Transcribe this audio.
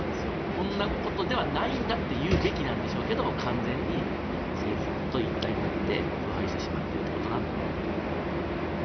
こんなことではないんだと言うべきなんでしょうけど完全に政治と一体になって腐敗してしまっているということなんだろうなと。